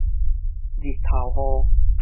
日頭雨